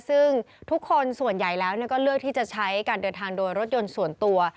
ซึ่งทุกคนส่วนใหญ่แล้วก็เลือกที่จะใช้การเดินทางโดยรถยนต์ส่วนตัว